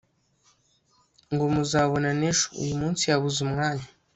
ngo muzabonana ejo ,uyumunsi yabuze umwanya